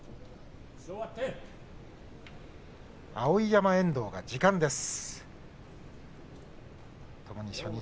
碧山、遠藤が時間です。